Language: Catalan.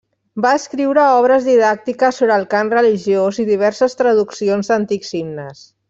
Va escriure obres didàctiques sobre el cant religiós, i diverses traduccions d'antics himnes.